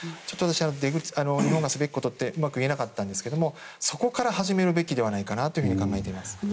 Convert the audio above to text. ちょっと私は今すべきことをうまく言えなかったんですがそこから始めるべきではないかと考えています。